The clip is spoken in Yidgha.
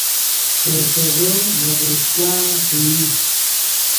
پرسیغے نے ڤرچان ݰوئی